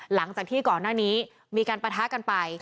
หลังจากที่ก่อนหน้านี้มีการปะทะกันไป